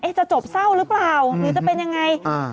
จะจบเศร้าหรือเปล่าหรือจะเป็นยังไง